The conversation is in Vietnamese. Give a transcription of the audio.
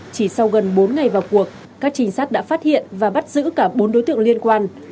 chỉ sau gần bốn ngày vào cuộc các trinh sát đã phát hiện và bắt giữ cả bốn đối tượng liên quan